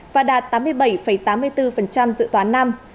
và đạt tám mươi bảy tám mươi bốn dự toán năm